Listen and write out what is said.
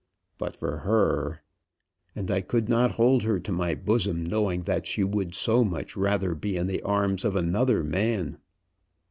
But for her ! And I could not hold her to my bosom, knowing that she would so much rather be in the arms of another man."